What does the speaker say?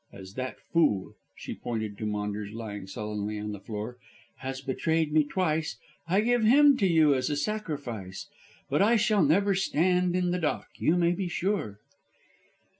As that fool," she pointed to Maunders lying sullenly on the floor, "has betrayed me twice I give him to you as a sacrifice. But I shall never stand in the dock, you may be sure."